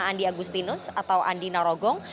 andi agustinus atau andi narogong